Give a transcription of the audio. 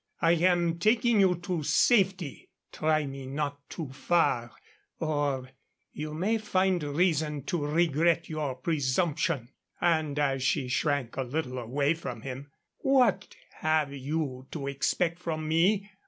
I am taking you to safety. Try me not too far or you may find reason to regret your presumption." And as she shrank a little away from him: "What have you to expect from me?